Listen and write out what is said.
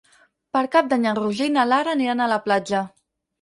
Per Cap d'Any en Roger i na Lara aniran a la platja.